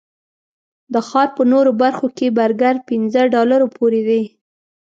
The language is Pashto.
د ښار په نورو برخو کې برګر پنځه ډالرو پورې دي.